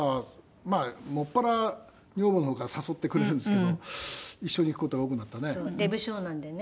まあ専ら女房の方から誘ってくれるんですけど一緒に行く事が多くなったね。